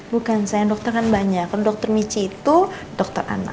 bukan saya yang dokter kan banyak dokter michi itu dokter anak